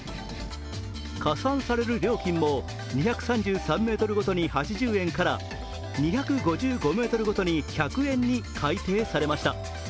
加算される料金も２３３ｍごとに８０円から２５５ｍごとに１００円に改定されました